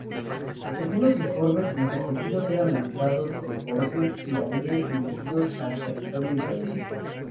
Según los informes, los objetivos eran lanzadores de cohetes iraníes dirigidos al territorio israelí.